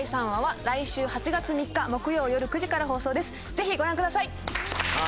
ぜひご覧ください。